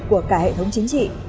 của cả hệ thống chính trị